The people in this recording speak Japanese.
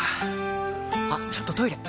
あっちょっとトイレ！